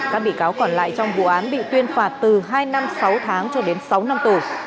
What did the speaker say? các bị cáo còn lại trong vụ án bị tuyên phạt từ hai năm sáu tháng cho đến sáu năm tù